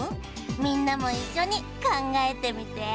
みんなもいっしょにかんがえてみて。